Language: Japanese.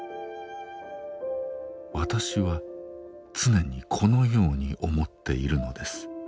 私は常にこのように思っているのです。